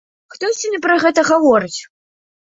Хто сёння пра гэта гаворыць?